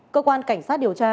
cơ quan cảnh sát điều tra